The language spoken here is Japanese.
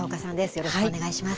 よろしくお願いします。